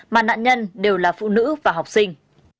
mà nạn nhân đều là phụ nữ và học sinh